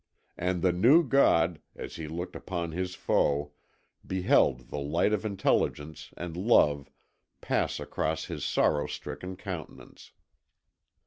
And the new god, as he looked upon his foe, beheld the light of intelligence and love pass across his sorrow stricken countenance.